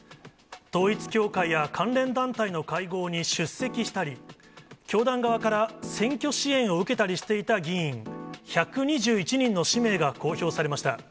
統一教会や関連団体の会合に出席したり、教団側から選挙支援を受けたりしていた議員１２１人の氏名が公表されました。